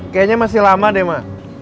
kayaknya masih lama deh ma